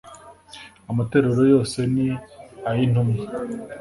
Amatorero yose ni ay’Intumwa